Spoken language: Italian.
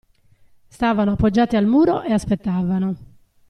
Stavano appoggiati al muro e aspettavano.